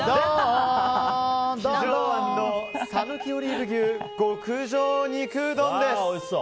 亀城庵の讃岐オリーブ牛極上肉うどんです。